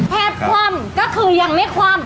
แฟนความก็คือยังไม่ความ